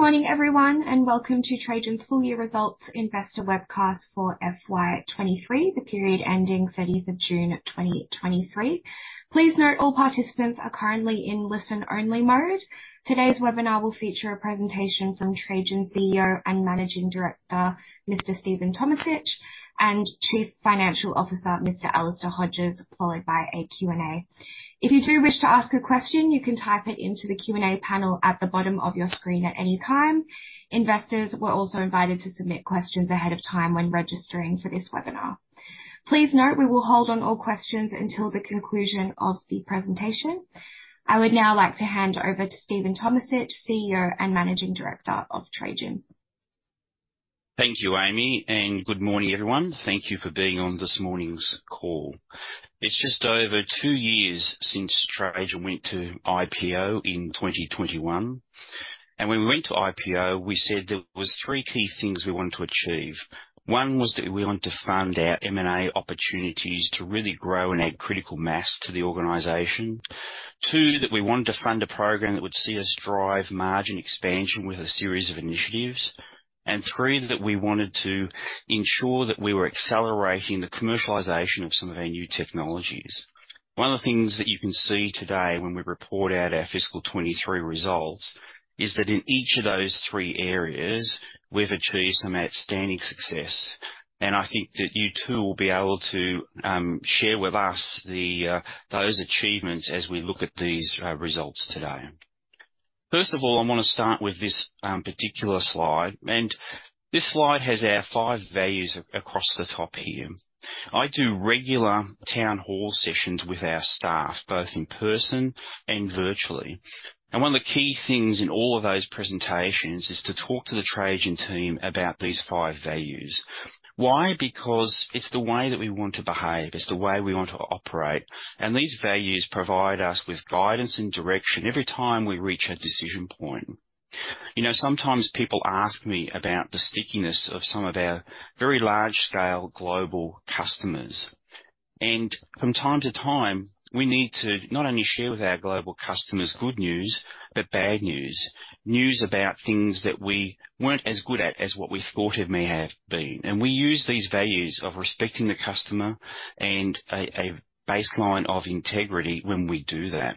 Good morning, everyone, and welcome to Trajan's full year results investor webcast for FY 23, the period ending 30th of June, 2023. Please note all participants are currently in listen-only mode. Today's webinar will feature a presentation from Trajan CEO and Managing Director, Mr. Stephen Tomisich, and Chief Financial Officer, Mr. Alister Hodges, followed by a Q&A. If you do wish to ask a question, you can type it into the Q&A panel at the bottom of your screen at any time. Investors were also invited to submit questions ahead of time when registering for this webinar. Please note, we will hold on all questions until the conclusion of the presentation. I would now like to hand over to Stephen Tomisich, CEO and Managing Director of Trajan. Thank you, Amy, and good morning, everyone. Thank you for being on this morning's call. It's just over two years since Trajan went to IPO in 2021, and when we went to IPO, we said there was three key things we wanted to achieve. One was that we wanted to fund our M&A opportunities to really grow and add critical mass to the organization. Two, that we wanted to fund a program that would see us drive margin expansion with a series of initiatives. And three, that we wanted to ensure that we were accelerating the commercialization of some of our new technologies. One of the things that you can see today when we report out our fiscal 2023 results is that in each of those three areas, we've achieved some outstanding success. And I think that you, too, will be able to share with us the those achievements as we look at these results today. First of all, I wanna start with this particular slide, and this slide has our five values across the top here. I do regular town hall sessions with our staff, both in person and virtually. And one of the key things in all of those presentations is to talk to the Trajan team about these five values. Why? Because it's the way that we want to behave, it's the way we want to operate, and these values provide us with guidance and direction every time we reach a decision point. You know, sometimes people ask me about the stickiness of some of our very large-scale global customers, and from time to time, we need to not only share with our global customers good news, but bad news. News about things that we weren't as good at as what we thought it may have been. And we use these values of respecting the customer and a baseline of integrity when we do that.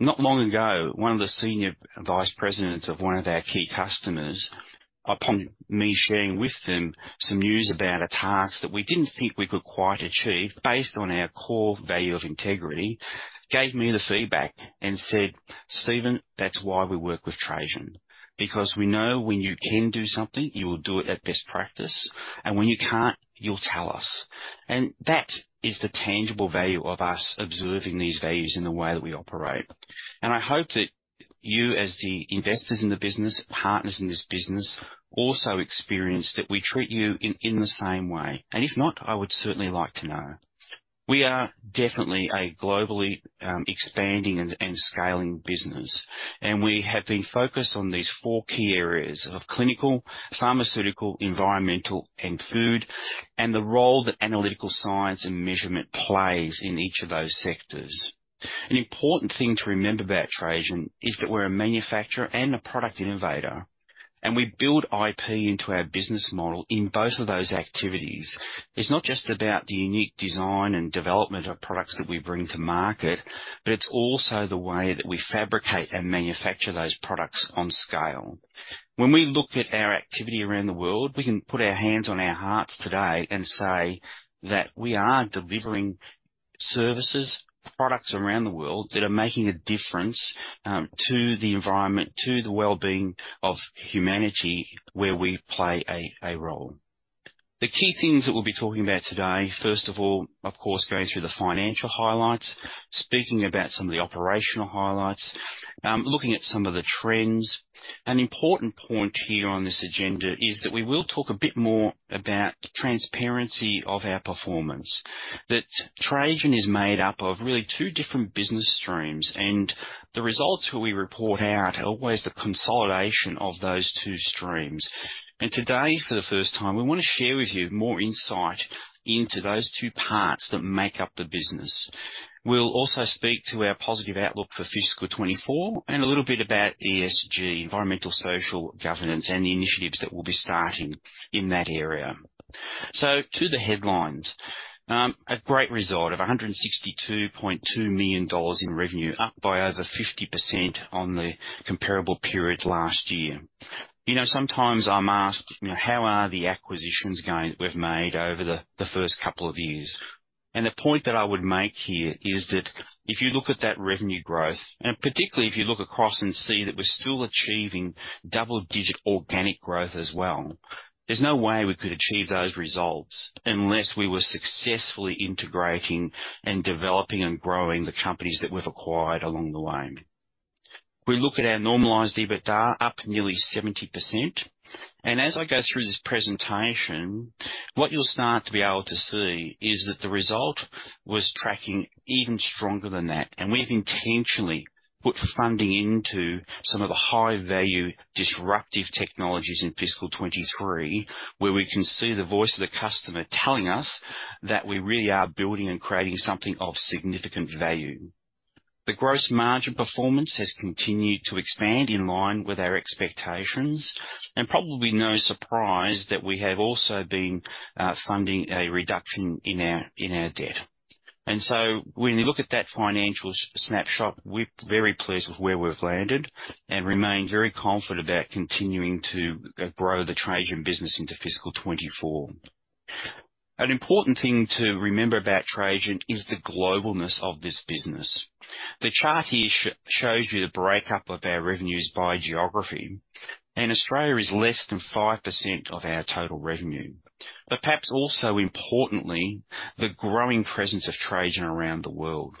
Not long ago, one of the senior vice presidents of one of our key customers, upon me sharing with them some news about a task that we didn't think we could quite achieve based on our core value of integrity, gave me the feedback and said, "Stephen, that's why we work with Trajan, because we know when you can do something, you will do it at best practice, and when you can't, you'll tell us." And that is the tangible value of us observing these values in the way that we operate. And I hope that you, as the investors in the business, partners in this business, also experience that we treat you in the same way. And if not, I would certainly like to know. We are definitely a globally expanding and scaling business, and we have been focused on these four key areas of clinical, pharmaceutical, environmental, and food, and the role that analytical science and measurement plays in each of those sectors. An important thing to remember about Trajan is that we're a manufacturer and a product innovator, and we build IP into our business model in both of those activities. It's not just about the unique design and development of products that we bring to market, but it's also the way that we fabricate and manufacture those products on scale. When we look at our activity around the world, we can put our hands on our hearts today and say that we are delivering services, products around the world that are making a difference to the environment, to the well-being of humanity, where we play a role. The key things that we'll be talking about today, first of all, of course, going through the financial highlights, speaking about some of the operational highlights, looking at some of the trends. An important point here on this agenda is that we will talk a bit more about transparency of our performance. That Trajan is made up of really two different business streams, and the results that we report out are always the consolidation of those two streams. And today, for the first time, we wanna share with you more insight into those two parts that make up the business. We'll also speak to our positive outlook for fiscal 2024 and a little bit about ESG, environmental, social, governance, and the initiatives that we'll be starting in that area. So to the headlines, a great result of 162.2 million dollars in revenue, up by over 50% on the comparable period last year. You know, sometimes I'm asked, you know, "How are the acquisitions going that we've made over the first couple of years?" And the point that I would make here is that if you look at that revenue growth, and particularly if you look across and see that we're still achieving double-digit organic growth as well, there's no way we could achieve those results unless we were successfully integrating and developing and growing the companies that we've acquired along the way. We look at our normalized EBITDA, up nearly 70%, and as I go through this presentation, what you'll start to be able to see is that the result was tracking even stronger than that. We've intentionally put funding into some of the high-value, disruptive technologies in fiscal 2023, where we can see the voice of the customer telling us that we really are building and creating something of significant value. The gross margin performance has continued to expand in line with our expectations, and probably no surprise that we have also been funding a reduction in our debt. And so when you look at that financial snapshot, we're very pleased with where we've landed and remain very confident about continuing to grow the Trajan business into fiscal 2024. An important thing to remember about Trajan is the globalness of this business. The chart here shows you the breakup of our revenues by geography, and Australia is less than 5% of our total revenue. But perhaps also importantly, the growing presence of Trajan around the world.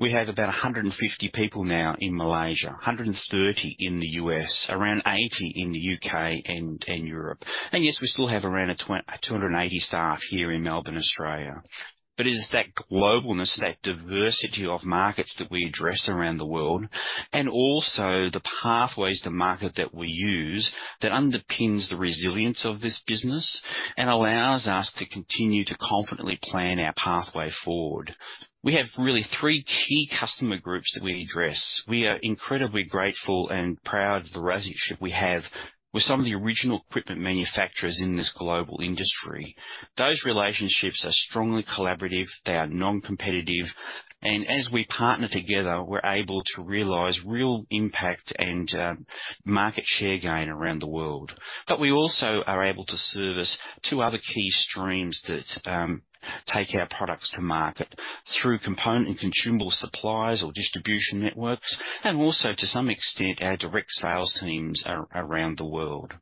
We have about 150 people now in Malaysia, 130 in the U.S., around 80 in the U.K. and Europe. Yes, we still have around 280 staff here in Melbourne, Australia. But it is that globalness, that diversity of markets that we address around the world, and also the pathways to market that we use, that underpins the resilience of this business and allows us to continue to confidently plan our pathway forward. We have really 3 key customer groups that we address. We are incredibly grateful and proud of the relationship we have with some of the original equipment manufacturers in this global industry. Those relationships are strongly collaborative, they are non-competitive, and as we partner together, we're able to realize real impact and market share gain around the world. But we also are able to service two other key streams that take our products to market, through component and consumable suppliers or distribution networks, and also, to some extent, our direct sales teams around the world.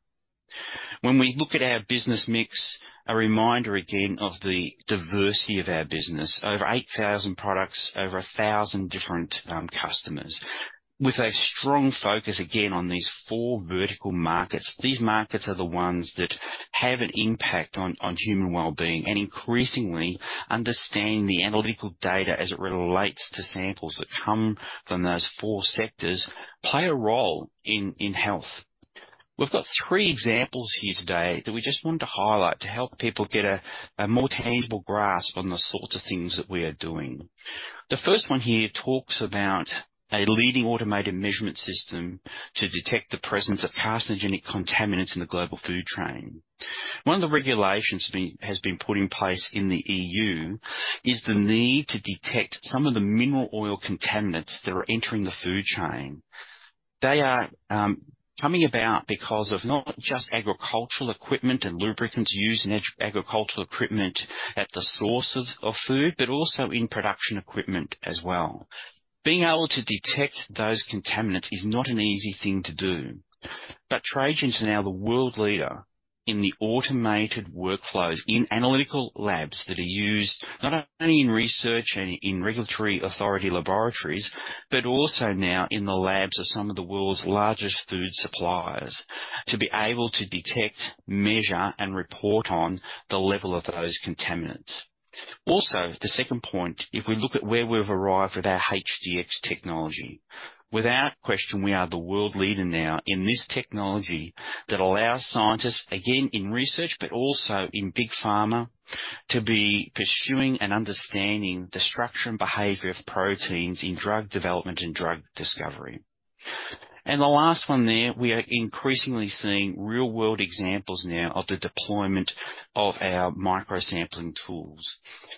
When we look at our business mix, a reminder again of the diversity of our business. Over 8,000 products, over 1,000 different customers, with a strong focus, again, on these four vertical markets. These markets are the ones that have an impact on human wellbeing and increasingly understand the analytical data as it relates to samples that come from those four sectors, play a role in health. We've got three examples here today that we just wanted to highlight to help people get a more tangible grasp on the sorts of things that we are doing. The first one here talks about a leading automated measurement system to detect the presence of carcinogenic contaminants in the global food chain. One of the regulations has been put in place in the EU is the need to detect some of the mineral oil contaminants that are entering the food chain. They are coming about because of not just agricultural equipment and lubricants used in agricultural equipment at the sources of food, but also in production equipment as well. Being able to detect those contaminants is not an easy thing to do, but Trajan is now the world leader in the automated workflows in analytical labs that are used not only in research and in regulatory authority laboratories, but also now in the labs of some of the world's largest food suppliers, to be able to detect, measure, and report on the level of those contaminants. Also, the second point, if we look at where we've arrived with our HDX technology. Without question, we are the world leader now in this technology that allows scientists, again in research, but also in big pharma, to be pursuing and understanding the structure and behavior of proteins in drug development and drug discovery. And the last one there, we are increasingly seeing real-world examples now of the deployment of our microsampling tools.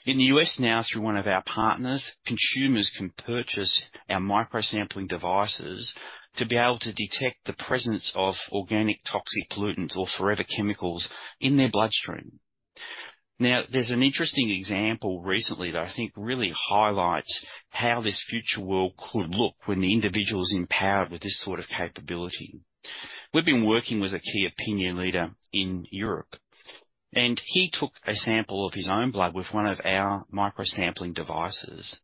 In the U.S. now, through one of our partners, consumers can purchase our microsampling devices to be able to detect the presence of organic toxic pollutants or forever chemicals in their bloodstream. Now, there's an interesting example recently that I think really highlights how this future world could look when the individual is empowered with this sort of capability. We've been working with a key opinion leader in Europe, and he took a sample of his own blood with one of our microsampling devices.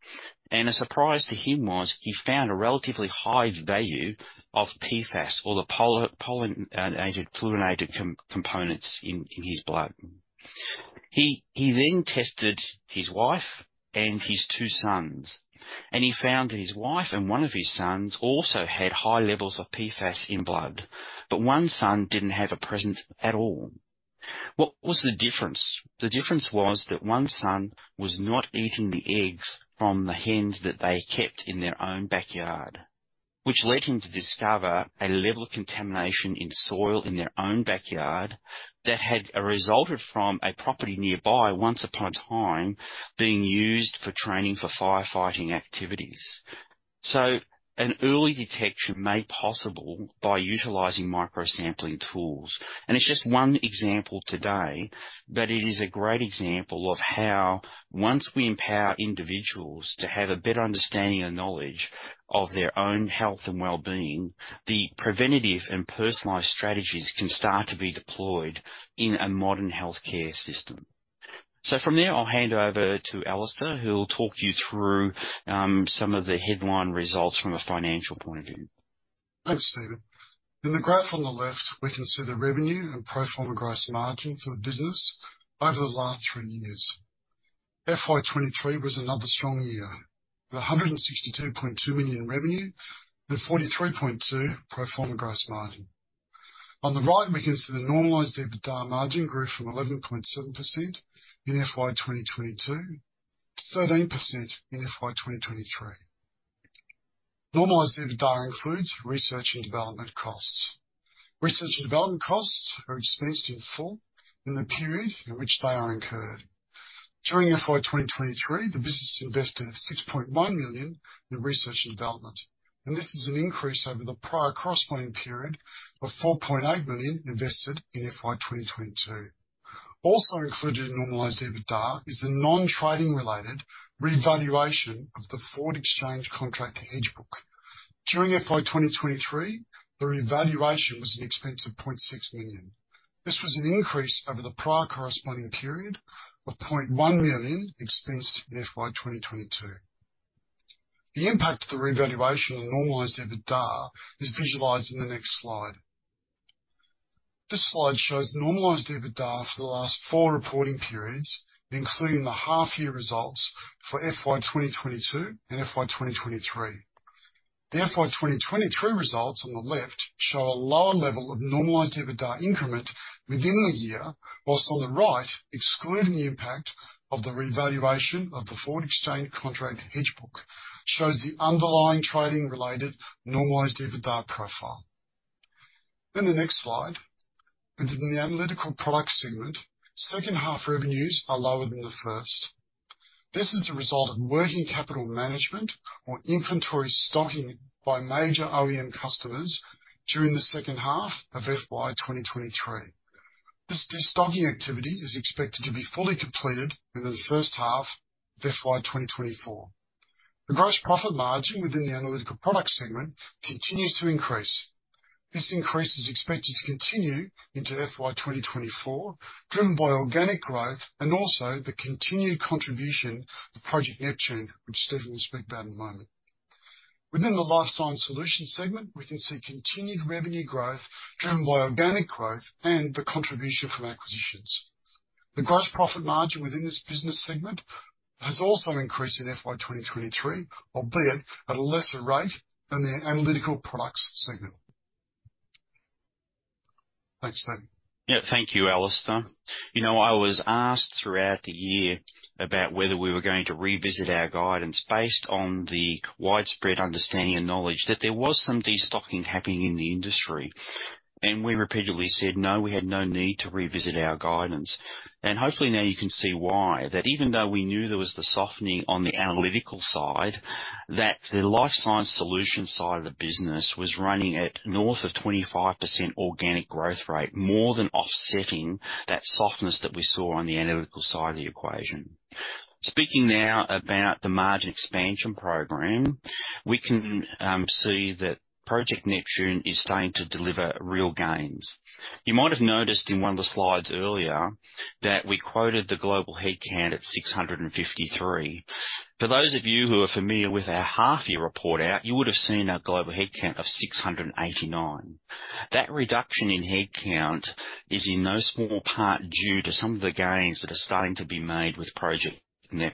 And a surprise to him was, he found a relatively high value of PFAS, orthe per- and polyfluorinated components in his blood. He then tested his wife and his two sons, and he found that his wife and one of his sons also had high levels of PFAS in blood, but one son didn't have a presence at all. What was the difference? The difference was that one son was not eating the eggs from the hens that they kept in their own backyard, which led him to discover a level of contamination in soil in their own backyard that had resulted from a property nearby, once upon a time, being used for training for firefighting activities. An early detection made possible by utilizing microsampling tools. It's just one example today, but it is a great example of how once we empower individuals to have a better understanding and knowledge of their own health and well-being, the preventative and personalized strategies can start to be deployed in a modern healthcare system. From there, I'll hand over to Alister, who'll talk you through some of the headline results from a financial point of view. Thanks, Stephen. In the graph on the left, we can see the revenue and pro forma gross margin for the business over the last three years. FY 2023 was another strong year, with 162.2 million in revenue and 43.2 pro forma gross margin. On the right, we can see the normalized EBITDA margin grew from 11.7% in FY 2022 to 13% in FY 2023. Normalized EBITDA includes research and development costs. Research and development costs are expensed in full in the period in which they are incurred. During FY 2023, the business invested 6.1 million in research and development, and this is an increase over the prior corresponding period of 4.8 million invested in FY 2022. Also included in normalized EBITDA is the non-trading related revaluation of the forward exchange contract hedge book. During FY 2023, the revaluation was an expense of 0.6 million. This was an increase over the prior corresponding period of 0.1 million expensed in FY 2022. The impact of the revaluation on normalized EBITDA is visualized in the next slide. This slide shows normalized EBITDA for the last four reporting periods, including the half year results for FY 2022 and FY 2023. The FY 2023 results on the left show a lower level of normalized EBITDA increment within the year, whilst on the right, excluding the impact of the revaluation of the forward exchange contract hedge book, shows the underlying trading related normalized EBITDA profile. Then the next slide, into the Analytical Product Segment. Second half revenues are lower than the first. This is a result of working capital management or inventory stocking by major OEM customers during the second half of FY 2023. This destocking activity is expected to be fully completed within the first half of FY 2024. The gross profit margin within the analytical product segment continues to increase. This increase is expected to continue into FY 2024, driven by organic growth and also the continued contribution of Project Neptune, which Stephen will speak about in a moment. Within the Life Science Solutions segment, we can see continued revenue growth driven by organic growth and the contribution from acquisitions. The gross profit margin within this business segment has also increased in FY 2023, albeit at a lesser rate than the analytical products segment. Thanks, Stephen. Yeah, thank you, Alister. You know, I was asked throughout the year about whether we were going to revisit our guidance based on the widespread understanding and knowledge that there was some destocking happening in the industry. We repeatedly said, no, we had no need to revisit our guidance. Hopefully now you can see why. That even though we knew there was the softening on the analytical side, that the life science solutions side of the business was running at north of 25% organic growth rate, more than offsetting that softness that we saw on the analytical side of the equation. Speaking now about the margin expansion program, we can see that Project Neptune is starting to deliver real gains. You might have noticed in one of the slides earlier that we quoted the global headcount at 653. For those of you who are familiar with our half year report out, you would have seen a global headcount of 689. That reduction in headcount is in no small part due to some of the gains that are starting to be made with Project Neptune. A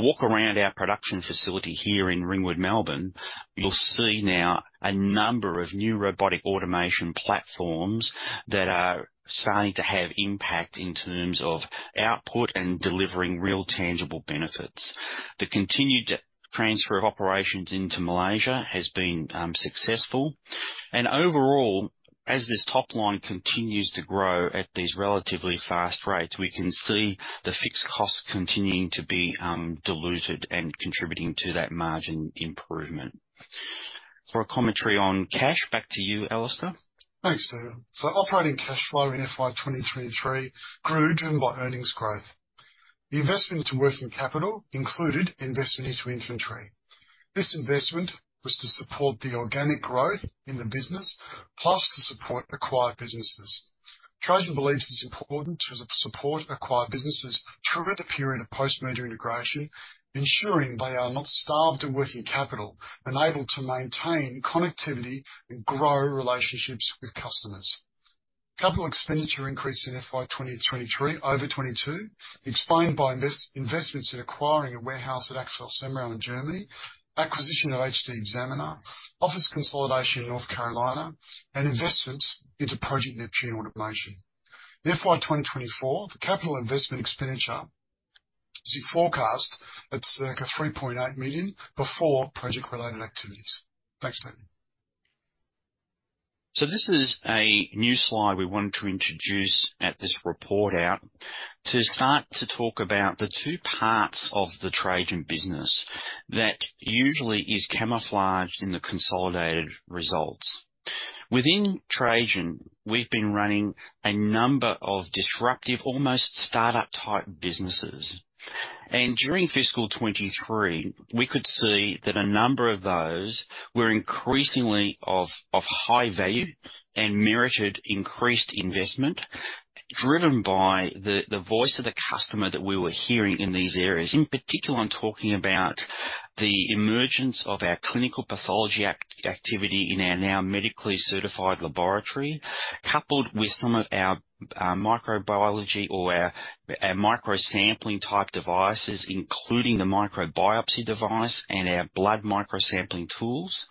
walk around our production facility here in Ringwood, Melbourne, you'll see now a number of new robotic automation platforms that are starting to have impact in terms of output and delivering real, tangible benefits. The continued transfer of operations into Malaysia has been successful. And overall, as this top line continues to grow at these relatively fast rates, we can see the fixed costs continuing to be diluted and contributing to that margin improvement. For a commentary on cash, back to you, Alister. Thanks, Stephen. So operating cash flow in FY 2023 grew, driven by earnings growth. The investment into working capital included investment into inventory. This investment was to support the organic growth in the business, plus to support acquired businesses. Trajan believes it's important to support acquired businesses throughout the period of post-merger integration, ensuring they are not starved of working capital and able to maintain connectivity and grow relationships with customers. Capital expenditure increased in FY 2023 over 2022, explained by investments in acquiring a warehouse at Axel Semrau, Germany, acquisition of HD Examiner, office consolidation in North Carolina, and investments into Project Neptune automation. In FY 2024, the capital investment expenditure is forecast at circa AUD 3.8 million before project related activities. Thanks, Stephen. So this is a new slide we wanted to introduce at this report out to start to talk about the two parts of the Trajan business that usually is camouflaged in the consolidated results. Within Trajan, we've been running a number of disruptive, almost startup type businesses, and during fiscal 2023, we could see that a number of those were increasingly of, of high value and merited increased investment, driven by the, the voice of the customer that we were hearing in these areas. In particular, I'm talking about the emergence of our clinical pathology activity in our now medically certified laboratory, coupled with some of our, microbiology or our, our microsampling type devices, including the microbiopsy device and our blood microsampling tools,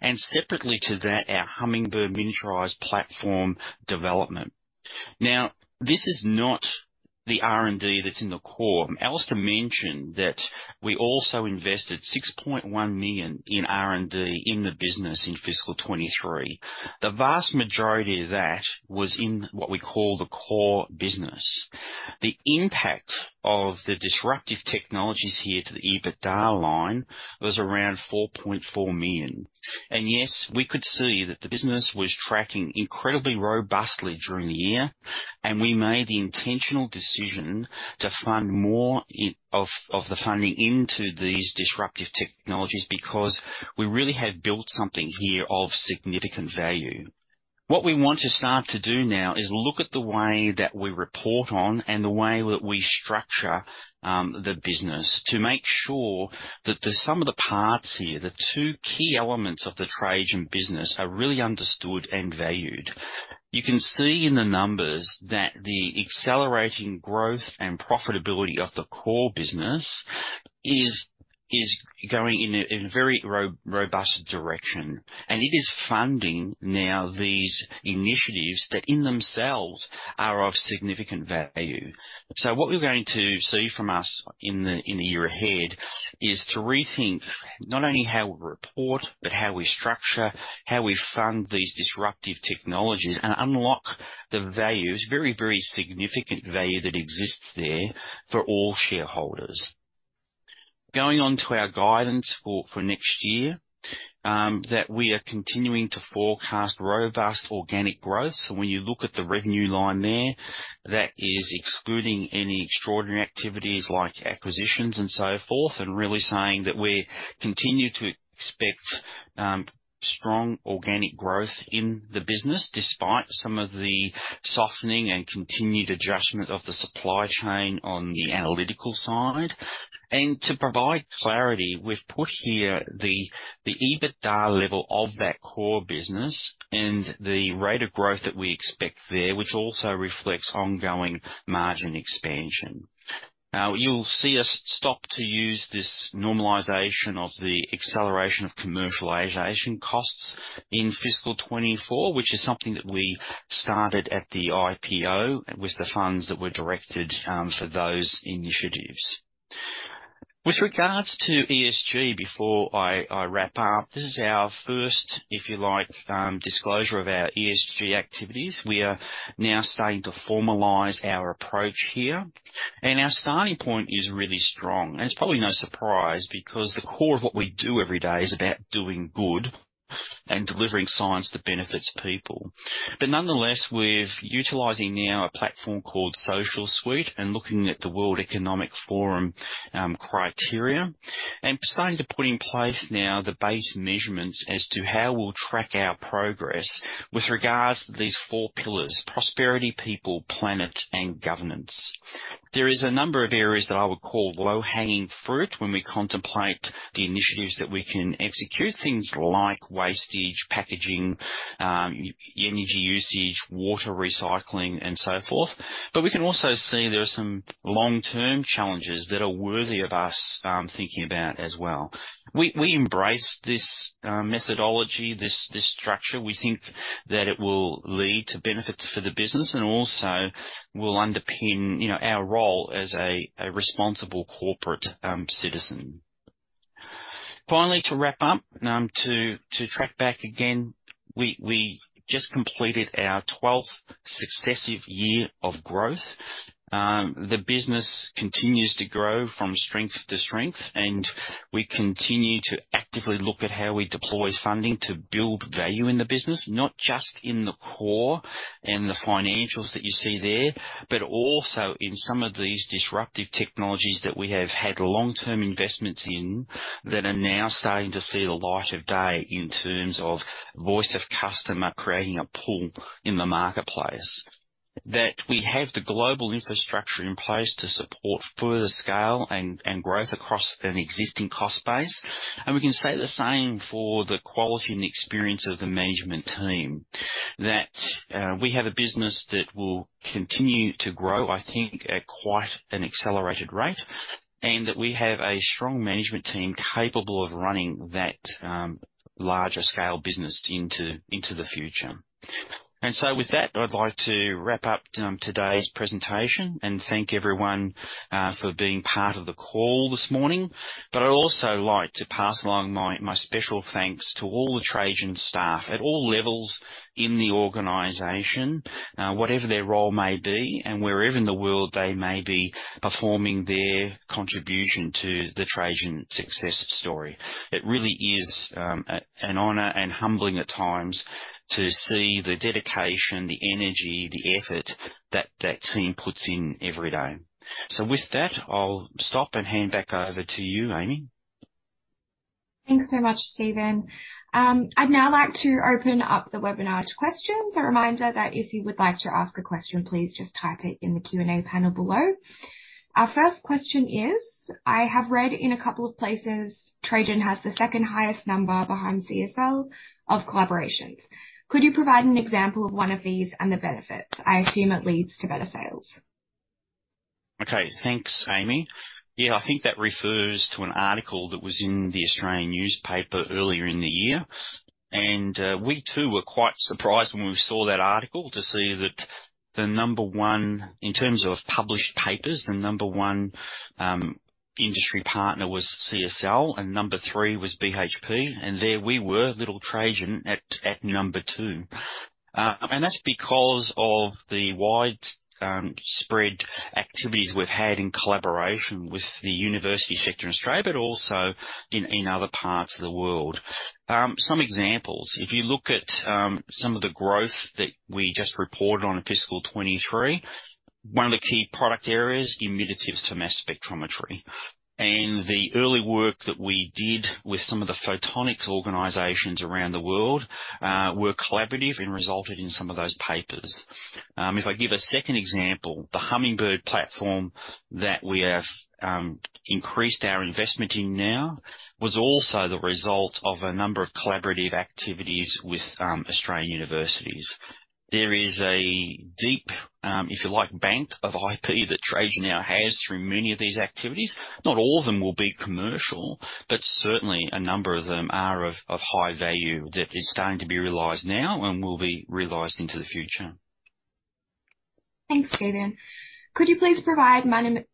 and separately to that, our Hummingbird miniaturized platform development. Now, this is not the R&D that's in the core. Alister mentioned that we also invested 6.1 million in R&D in the business in fiscal 2023. The vast majority of that was in what we call the core business. The impact of the disruptive technologies here to the EBITDA line was around 4.4 million. And yes, we could see that the business was tracking incredibly robustly during the year, and we made the intentional decision to fund more of the funding into these disruptive technologies because we really have built something here of significant value. What we want to start to do now is look at the way that we report on and the way that we structure the business to make sure that the sum of the parts here, the two key elements of the Trajan business, are really understood and valued. You can see in the numbers that the accelerating growth and profitability of the core business is going in a very robust direction, and it is funding now these initiatives that in themselves are of significant value. So what we're going to see from us in the year ahead is to rethink not only how we report, but how we structure, how we fund these disruptive technologies and unlock the value. It's very, very significant value that exists there for all shareholders. Going on to our guidance for next year, that we are continuing to forecast robust organic growth. So when you look at the revenue line there, that is excluding any extraordinary activities like acquisitions and so forth, and really saying that we continue to expect strong organic growth in the business, despite some of the softening and continued adjustment of the supply chain on the analytical side. And to provide clarity, we've put here the EBITDA level of that core business and the rate of growth that we expect there, which also reflects ongoing margin expansion. Now, you'll see us stop to use this normalization of the acceleration of commercialization costs in fiscal 2024, which is something that we started at the IPO, with the funds that were directed for those initiatives. With regards to ESG, before I wrap up, this is our first, if you like, disclosure of our ESG activities. We are now starting to formalize our approach here, and our starting point is really strong. And it's probably no surprise, because the core of what we do every day is about doing good and delivering science that benefits people. But nonetheless, we're utilizing now a platform called Socialsuite and looking at the World Economic Forum criteria, and starting to put in place now the base measurements as to how we'll track our progress with regards to these four pillars: prosperity, people, planet, and governance. There is a number of areas that I would call low-hanging fruit when we contemplate the initiatives that we can execute, things like wastage, packaging, energy usage, water recycling, and so forth. But we can also see there are some long-term challenges that are worthy of us, thinking about as well. We embrace this methodology, this structure. We think that it will lead to benefits for the business and also will underpin, you know, our role as a responsible corporate citizen. Finally, to wrap up, to track back again, we just completed our twelfth successive year of growth. The business continues to grow from strength to strength, and we continue to actively look at how we deploy funding to build value in the business, not just in the core and the financials that you see there, but also in some of these disruptive technologies that we have had long-term investments in, that are now starting to see the light of day in terms of voice of customer, creating a pull in the marketplace. That we have the global infrastructure in place to support further scale and growth across an existing cost base. We can say the same for the quality and experience of the management team, that we have a business that will continue to grow, I think, at quite an accelerated rate, and that we have a strong management team capable of running that larger scale business into the future. So with that, I'd like to wrap up today's presentation and thank everyone for being part of the call this morning. But I'd also like to pass along my special thanks to all the Trajan staff at all levels in the organization, whatever their role may be and wherever in the world they may be performing their contribution to the Trajan success story. It really is an honor and humbling at times to see the dedication, the energy, the effort that that team puts in every day. With that, I'll stop and hand back over to you, Amy. Thanks so much, Stephen. I'd now like to open up the webinar to questions. A reminder that if you would like to ask a question, please just type it in the Q&A panel below. Our first question is, I have read in a couple of places, Trajan has the second highest number behind CSL of collaborations. Could you provide an example of one of these and the benefits? I assume it leads to better sales. Okay, thanks, Amy. Yeah, I think that refers to an article that was in the Australian newspaper earlier in the year, and we too were quite surprised when we saw that article to see that the number one, in terms of published papers, the number one industry partner was CSL, and number three was BHP. And there we were, little Trajan at number two. And that's because of the wide spread activities we've had in collaboration with the university sector in Australia, but also in other parts of the world. Some examples, if you look at some of the growth that we just reported on in fiscal 2023, one of the key product areas, emitters to mass spectrometry. The early work that we did with some of the photonics organizations around the world were collaborative and resulted in some of those papers. If I give a second example, the Hummingbird platform that we have, increased our investment in now, was also the result of a number of collaborative activities with Australian universities. There is a deep, if you like, bank of IP that Trajan now has through many of these activities. Not all of them will be commercial, but certainly a number of them are of high value that is starting to be realized now and will be realized into the future. Thanks, Steven. Could you please provide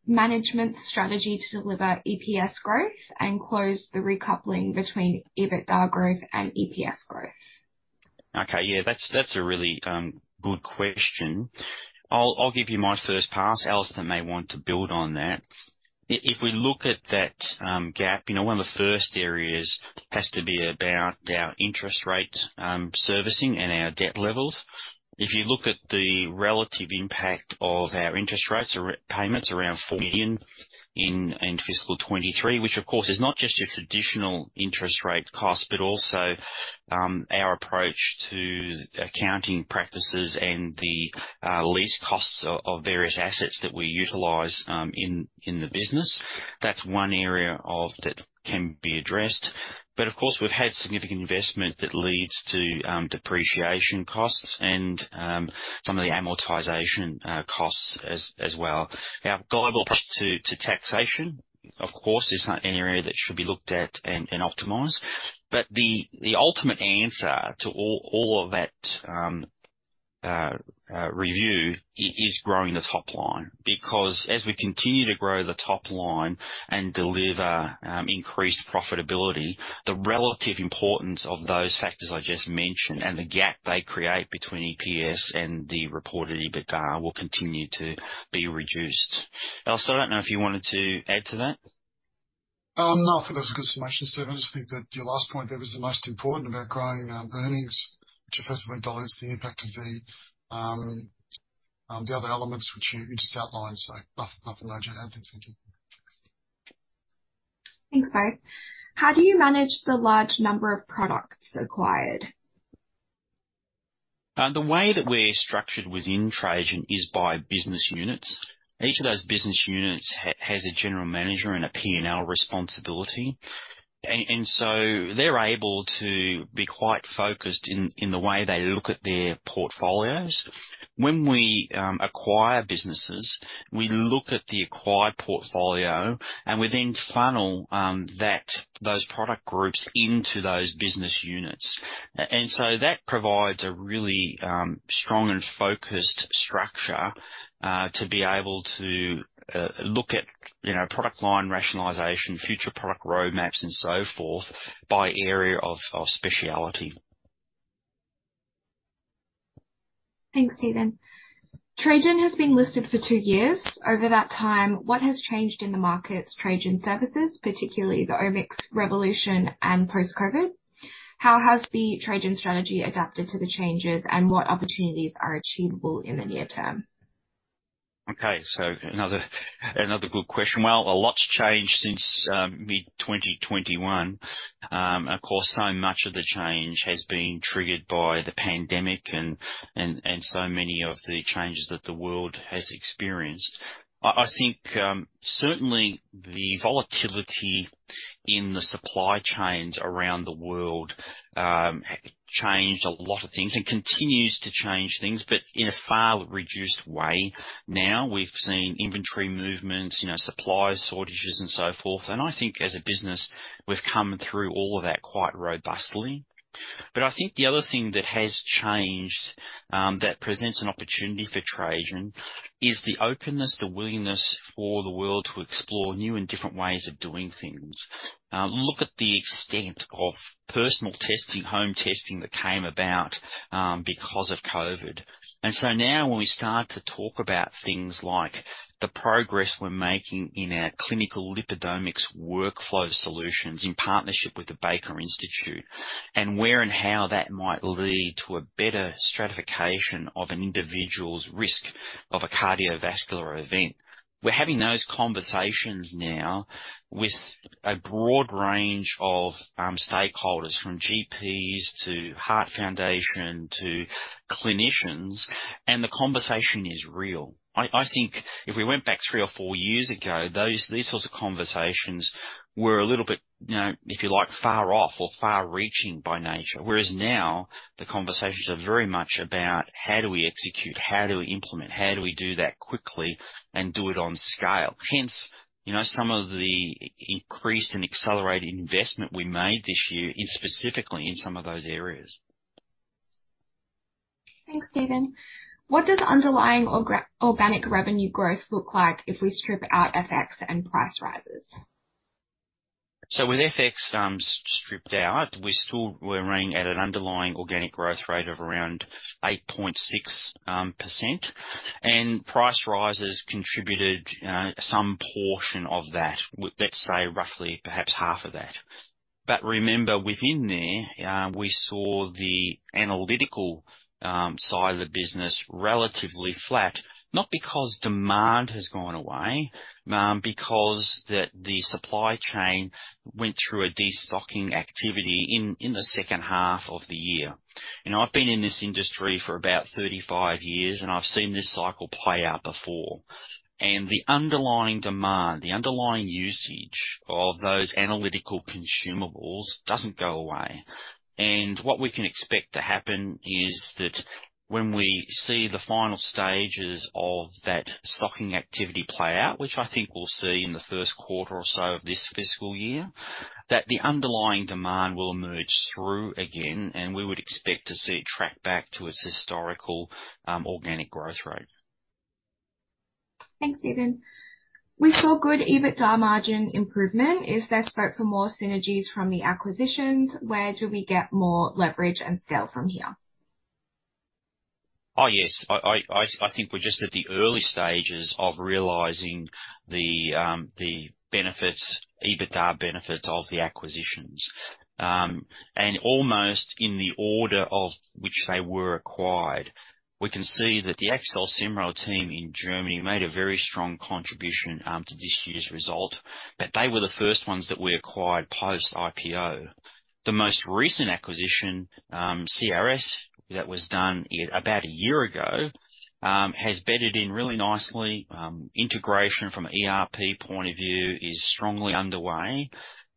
management's strategy to deliver EPS growth and close the recoupling between EBITDA growth and EPS growth? Okay. Yeah, that's a really good question. I'll give you my first pass. Alister may want to build on that. If we look at that gap, you know, one of the first areas has to be about our interest rate servicing and our debt levels. If you look at the relative impact of our interest rates or repayments, around 4 million in fiscal 2023, which of course is not just your traditional interest rate cost, but also our approach to accounting practices and the lease costs of various assets that we utilize in the business. That's one area that can be addressed. But of course, we've had significant investment that leads to depreciation costs and some of the amortization costs as well. Our global approach to taxation, of course, is an area that should be looked at and optimized. But the ultimate answer to all of that review is growing the top line, because as we continue to grow the top line and deliver increased profitability, the relative importance of those factors I just mentioned and the gap they create between EPS and the reported EBITDA, will continue to be reduced. Alister, I don't know if you wanted to add to that? No, I think that's a good summation, Stephen. I just think that your last point there was the most important about growing earnings, which effectively dilutes the impact of the other elements which you just outlined. So nothing large to add there, thank you. Thanks, both. How do you manage the large number of products acquired? The way that we're structured within Trajan is by business units. Each of those business units has a general manager and a P&L responsibility. And so they're able to be quite focused in the way they look at their portfolios. When we acquire businesses, we look at the acquired portfolio, and we then funnel those product groups into those business units. And so that provides a really strong and focused structure to be able to look at, you know, product line rationalization, future product roadmaps, and so forth, by area of specialty. Thanks, Stephen. Trajan has been listed for two years. Over that time, what has changed in the markets Trajan services, particularly the Omics Revolution and post-COVID? How has the Trajan strategy adapted to the changes, and what opportunities are achievable in the near term? Okay, so another good question. Well, a lot's changed since mid-2021. Of course, so much of the change has been triggered by the pandemic and so many of the changes that the world has experienced. I think certainly the volatility in the supply chains around the world changed a lot of things and continues to change things, but in a far reduced way now. We've seen inventory movements, you know, supply shortages and so forth. And I think as a business, we've come through all of that quite robustly. But I think the other thing that has changed that presents an opportunity for Trajan is the openness, the willingness for the world to explore new and different ways of doing things. Look at the extent of personal testing, home testing that came about because of COVID.... And so now when we start to talk about things like the progress we're making in our clinical lipidomics workflow solutions in partnership with the Baker Institute, and where and how that might lead to a better stratification of an individual's risk of a cardiovascular event, we're having those conversations now with a broad range of stakeholders, from GPs to Heart Foundation to clinicians, and the conversation is real. I think if we went back three or four years ago, these sorts of conversations were a little bit, you know, if you like, far off or far-reaching by nature. Whereas now, the conversations are very much about how do we execute, how do we implement, how do we do that quickly and do it on scale? Hence, you know, some of the increased and accelerated investment we made this year in, specifically in some of those areas. Thanks, Steven. What does underlying organic revenue growth look like if we strip out FX and price rises? So with FX stripped out, we still were running at an underlying organic growth rate of around 8.6%, and price rises contributed some portion of that, let's say, roughly perhaps half of that. But remember, within there, we saw the analytical side of the business relatively flat, not because demand has gone away, because the supply chain went through a destocking activity in the second half of the year. You know, I've been in this industry for about 35 years, and I've seen this cycle play out before. And the underlying demand, the underlying usage of those analytical consumables, doesn't go away. What we can expect to happen is that when we see the final stages of that stocking activity play out, which I think we'll see in the first quarter or so of this fiscal year, that the underlying demand will emerge through again, and we would expect to see it track back to its historical, organic growth rate. Thanks, Stephen. We saw good EBITDA margin improvement. Is there scope for more synergies from the acquisitions? Where do we get more leverage and scale from here? Oh, yes. I think we're just at the early stages of realizing the benefits, EBITDA benefits of the acquisitions. And almost in the order of which they were acquired, we can see that the Axel Semrau team in Germany made a very strong contribution to this year's result, but they were the first ones that we acquired post-IPO. The most recent acquisition, CRS, that was done about a year ago, has bedded in really nicely. Integration from an ERP point of view is strongly underway.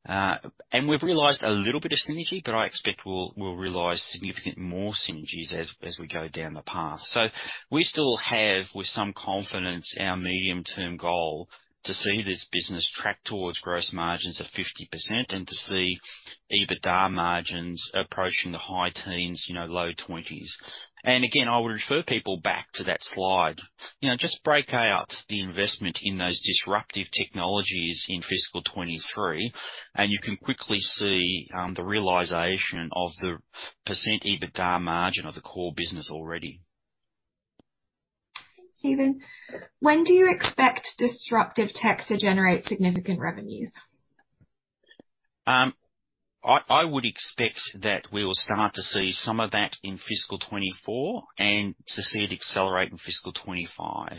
And we've realized a little bit of synergy, but I expect we'll realize significantly more synergies as we go down the path. So we still have, with some confidence, our medium-term goal to see this business track towards gross margins of 50% and to see EBITDA margins approaching the high teens, you know, low 20s. And again, I would refer people back to that slide. You know, just break out the investment in those disruptive technologies in fiscal 2023, and you can quickly see, the realization of the percent EBITDA margin of the core business already. Stephen, when do you expect disruptive tech to generate significant revenues? I would expect that we will start to see some of that in fiscal 2024 and to see it accelerate in fiscal 2025.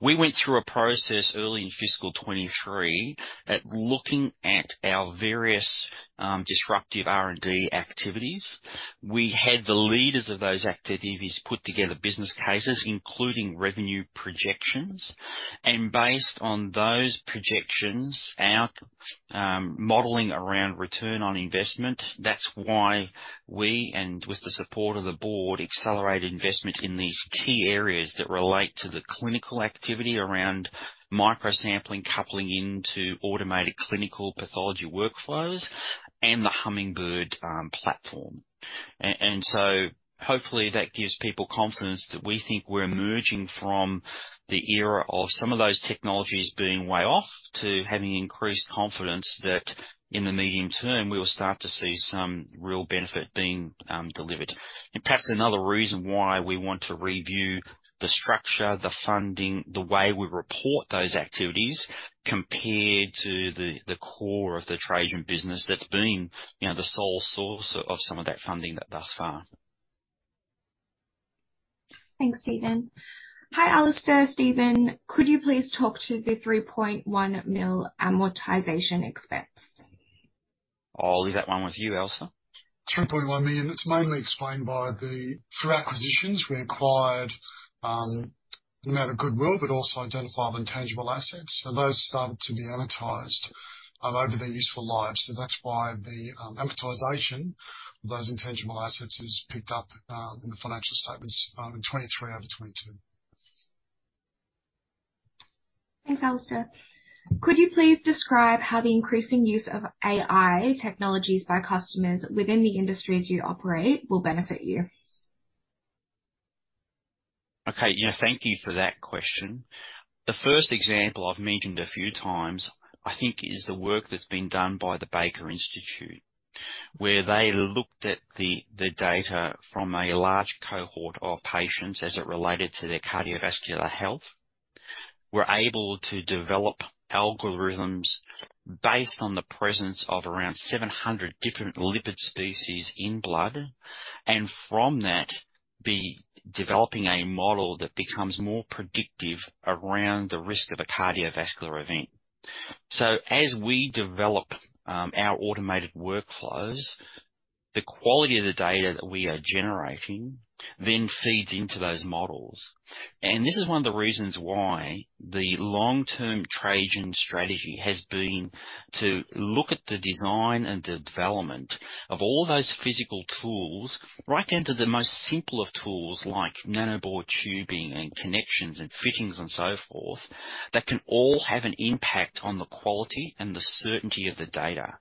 We went through a process early in fiscal 2023 at looking at our various disruptive R&D activities. We had the leaders of those activities put together business cases, including revenue projections, and based on those projections, our modeling around return on investment. That's why we, and with the support of the board, accelerated investment in these key areas that relate to the clinical activity around micro sampling, coupling into automated clinical pathology workflows and the Hummingbird platform. And so hopefully that gives people confidence that we think we're emerging from the era of some of those technologies being way off, to having increased confidence that in the medium term, we will start to see some real benefit being delivered. Perhaps another reason why we want to review the structure, the funding, the way we report those activities compared to the core of the Trajan business that's been, you know, the sole source of some of that funding thus far. Thanks, Stephen. Hi, Alister, Stephen. Could you please talk to the 3.1 million amortization expense? I'll leave that one with you, Alister. 3.1 million, it's mainly explained by the through acquisitions we acquired an amount of goodwill, but also identifiable intangible assets. So those started to be amortized over their useful lives. So that's why the amortization of those intangible assets is picked up in the financial statements in 2023 over 2022. Thanks, Alister. Could you please describe how the increasing use of AI technologies by customers within the industries you operate will benefit you? Okay. You know, thank you for that question. The first example I've mentioned a few times, I think, is the work that's been done by the Baker Institute, where they looked at the data from a large cohort of patients as it related to their cardiovascular health, were able to develop algorithms based on the presence of around 700 different lipid species in blood, and from that, be developing a model that becomes more predictive around the risk of a cardiovascular event. So as we develop our automated workflows, the quality of the data that we are generating then feeds into those models. This is one of the reasons why the long-term Trajan strategy has been to look at the design and the development of all those physical tools, right down to the most simple of tools, like nanobore tubing, and connections, and fittings, and so forth, that can all have an impact on the quality and the certainty of the data.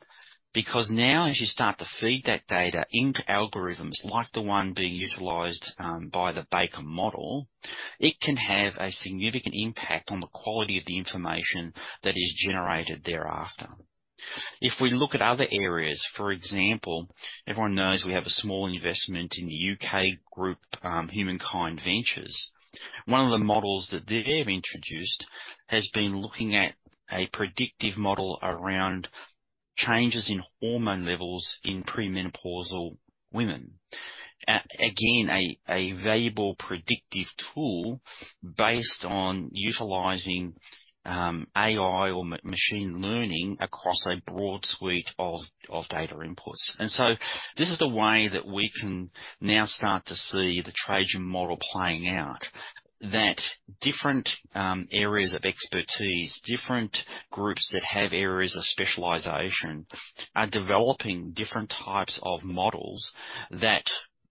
Because now, as you start to feed that data into algorithms like the one being utilized by the Baker model, it can have a significant impact on the quality of the information that is generated thereafter. If we look at other areas, for example, everyone knows we have a small investment in the UK group, Humankind Ventures. One of the models that they've introduced has been looking at a predictive model around changes in hormone levels in perimenopausal women. Again, a valuable predictive tool based on utilizing AI or machine learning across a broad suite of data inputs. And so this is the way that we can now start to see the Trajan model playing out, that different areas of expertise, different groups that have areas of specialization, are developing different types of models that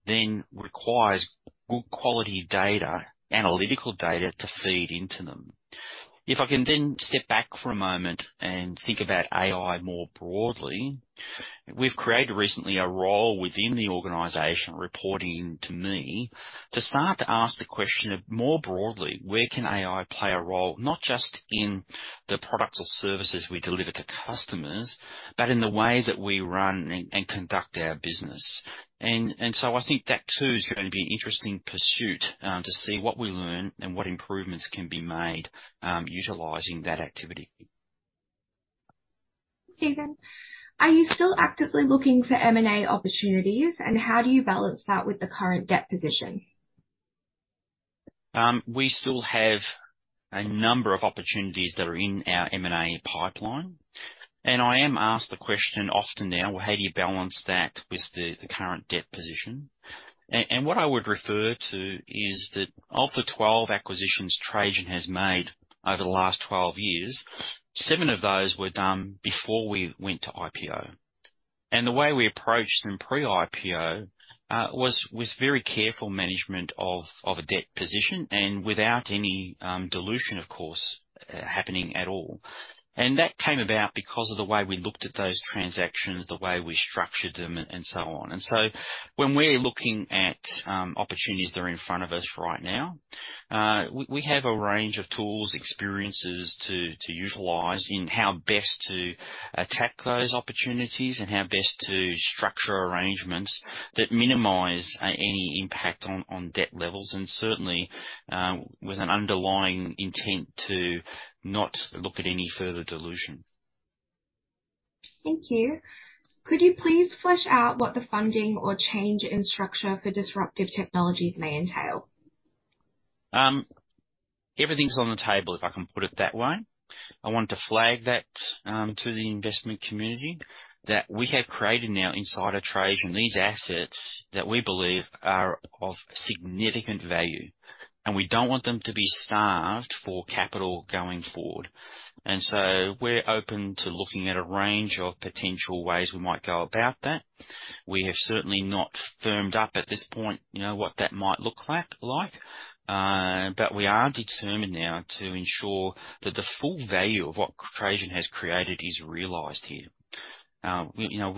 then requires good quality data, analytical data, to feed into them. If I can then step back for a moment and think about AI more broadly, we've created recently a role within the organization reporting to me, to start to ask the question of, more broadly, where can AI play a role? Not just in the products or services we deliver to customers, but in the way that we run and conduct our business. So I think that, too, is going to be an interesting pursuit to see what we learn and what improvements can be made utilizing that activity. Stephen, are you still actively looking for M&A opportunities, and how do you balance that with the current debt position? We still have a number of opportunities that are in our M&A pipeline. I am asked the question often now, "Well, how do you balance that with the current debt position?" and what I would refer to is that of the 12 acquisitions Trajan has made over the last 12 years, seven of those were done before we went to IPO. The way we approached them pre-IPO was very careful management of a debt position and without any dilution, of course, happening at all. That came about because of the way we looked at those transactions, the way we structured them, and so on. And so when we're looking at opportunities that are in front of us right now, we have a range of tools, experiences to utilize in how best to attack those opportunities, and how best to structure arrangements that minimize any impact on debt levels, and certainly, with an underlying intent to not look at any further dilution. Thank you. Could you please flesh out what the funding or change in structure for disruptive technologies may entail? Everything's on the table, if I can put it that way. I want to flag that to the investment community, that we have created now inside of Trajan, these assets that we believe are of significant value, and we don't want them to be starved for capital going forward. And so we're open to looking at a range of potential ways we might go about that. We have certainly not firmed up at this point, you know, what that might look like. But we are determined now to ensure that the full value of what Trajan has created is realized here. You know,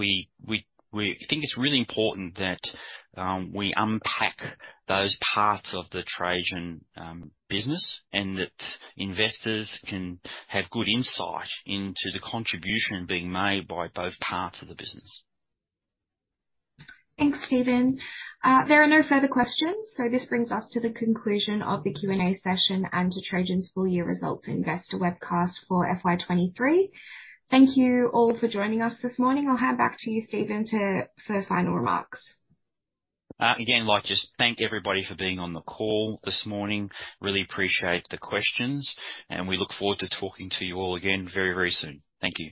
we think it's really important that we unpack those parts of the Trajan business, and that investors can have good insight into the contribution being made by both parts of the business. Thanks, Stephen. There are no further questions, so this brings us to the conclusion of the Q&A session and to Trajan's full year results investor webcast for FY23. Thank you all for joining us this morning. I'll hand back to you, Stephen, to for the final remarks. Again, I'd like to just thank everybody for being on the call this morning. Really appreciate the questions, and we look forward to talking to you all again very, very soon. Thank you.